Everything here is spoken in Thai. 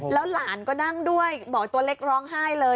แล้วหลานก็นั่งด้วยหมอตัวเล็กร้องไห้เลย